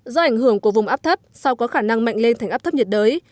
do ảnh hưởng của vùng áp thấp sao có khả năng mạnh lên thành áp thấp nhiệt đới